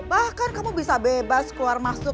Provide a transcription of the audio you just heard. bahkan kamu bisa bebas keluar masuk